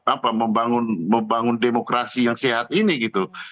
apa membangun demokrasi yang sehat ini gitu